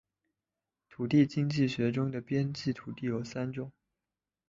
土地经济学中的边际土地有三种